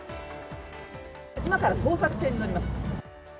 今から捜索船に乗ります。